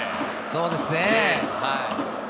そうですね。